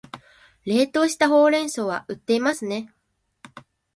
冷凍したほうれん草は売っていますね